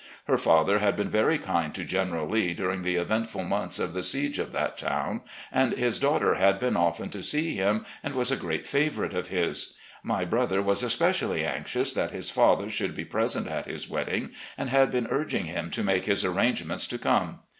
Her father had been very kind to General Lee during the eventful months of the siege of that town, and his daughter had been often to see him and was a great favourite of his. My brother was especially anxious that his father should be present at his wedding, and had been urging him to make his arrangements to come.